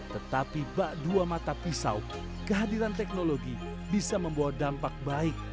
tetapi bak dua mata pisau kehadiran teknologi bisa membawa dampak baik